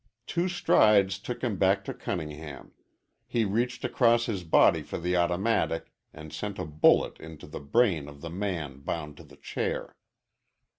Two strides took him back to Cunningham. He reached across his body for the automatic and sent a bullet into the brain of the man bound to the chair.